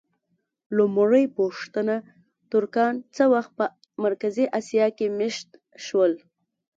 لومړۍ پوښتنه: ترکان څه وخت په مرکزي اسیا کې مېشت شول؟